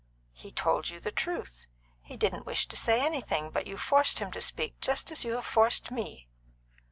"He told you the truth. He didn't wish to say anything, but you forced him to speak, just as you have forced me."